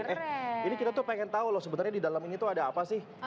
eh ini kita tuh pengen tahu loh sebenarnya di dalam ini tuh ada apa sih